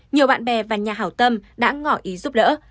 nhiều bạn bè và nhà hảo tâm đã ngỏ ý giúp đỡ